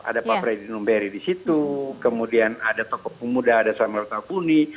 ada pak bredinun beri di situ kemudian ada toko pemuda ada samarota puni